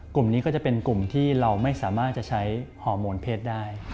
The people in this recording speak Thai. กลุ่มนี้ก็จะเป็นกลุ่มที่เราไม่สามารถจะใช้ฮอร์โมนเพศได้